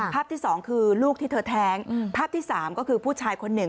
ที่สองคือลูกที่เธอแท้งภาพที่สามก็คือผู้ชายคนหนึ่ง